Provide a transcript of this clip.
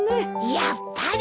やっぱり。